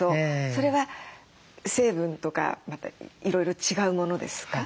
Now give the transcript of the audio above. それは成分とかいろいろ違うものですか？